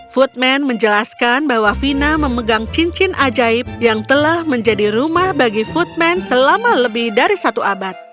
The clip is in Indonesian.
footman menjelaskan bahwa vina memegang cincin ajaib yang telah menjadi rumah bagi footman selama lebih dari satu abad